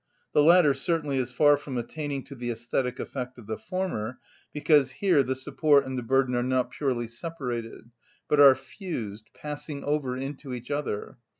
The latter certainly is far from attaining to the æsthetic effect of the former, because here the support and the burden are not purely separated, but are fused, passing over into each other.